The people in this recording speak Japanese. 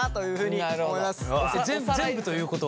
全部ということは。